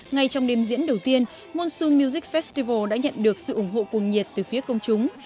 ngay trong đêm diễn đầu tiên monsu music festival đã nhận được sự ủng hộ cuồng nhiệt từ phía công chúng